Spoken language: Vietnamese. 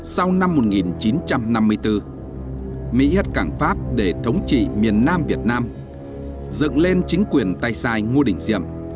sau năm một nghìn chín trăm năm mươi bốn mỹ hất cảng pháp để thống trị miền nam việt nam dựng lên chính quyền tay sai ngô đình diệm